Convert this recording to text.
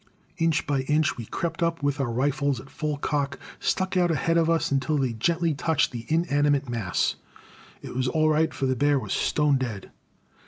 Inch by inch we crept up with our rifles at full cock stuck out ahead of us until they gently touched the inanimate mass. It was all right, for the bear was stone dead.